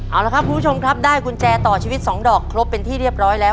เอาละครับคุณผู้ชมครับได้กุญแจต่อชีวิต๒ดอกครบเป็นที่เรียบร้อยแล้ว